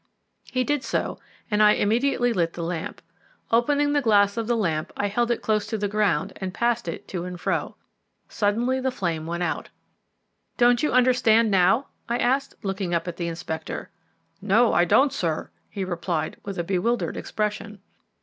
He did so, and I immediately lit the lamp. Opening the glass of the lamp, I held it close to the ground and passed it to and fro. Suddenly the flame went out. "Don't you understand now?" I said, looking up at the Inspector. "No, I don't, sir," he replied with a bewildered expression.